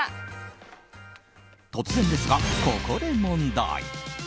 突然ですが、ここで問題。